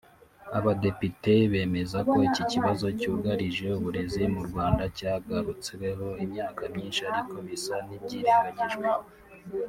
Abadepite bemeza ko iki kibazo cyugarije uburezi mu Rwanda cyagarutsweho imyaka myinshi ariko bisa n’ibyirengagijwe